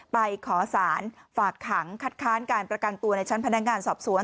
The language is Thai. ไปขอสารฝากขังคัดค้านการประกันตัวในชั้นพนักงานสอบสวน